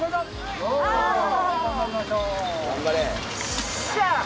頑張れ！